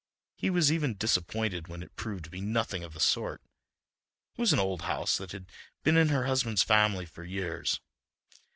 He was even disappointed when it proved to be nothing of the sort. It was an old house that had been in her husband's family for years.